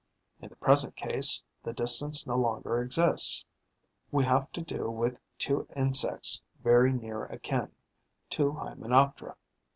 In the present case, the distance no longer exists: we have to do with two insects very near akin, two Hymenoptera.